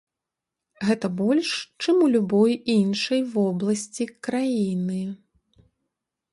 Гэта больш, чым у любой іншай вобласці краіны.